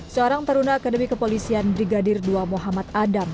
seorang taruna akademi kepolisian brigadir dua muhammad adam